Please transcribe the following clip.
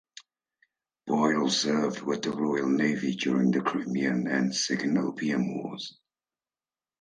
Boyle served with the Royal Navy during the Crimean and Second Opium Wars.